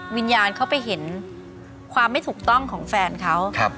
วิญญาณเขาไปเห็นความไม่ถูกต้องของแฟนเขา